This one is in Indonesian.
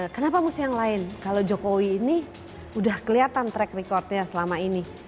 kenapa mesti yang lain kalau jokowi ini udah kelihatan track recordnya selama ini